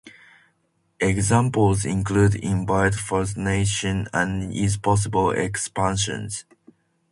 Examples include "in vitro" fertilization and its possible expansions.